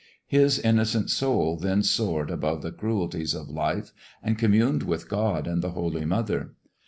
His innocent soul then soared above the cruelties of life and communed with God and the Holy Mother.